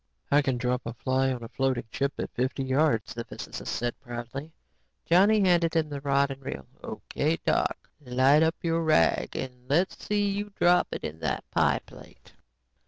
"I can drop a fly on a floating chip at fifty yards," the physicist said proudly. Johnny handed him the rod and reel. "O.K., Doc, light up your rag and then let's see you drop it in that pie plate."